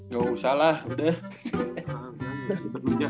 gak usah lah udah